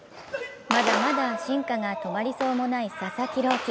まだまだ進化が止まりそうもない佐々木朗希。